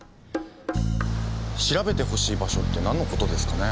調べてほしい場所ってなんのことですかね。